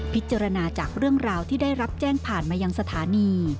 พิจารณาจากเรื่องราวที่ได้รับแจ้งผ่านมายังสถานี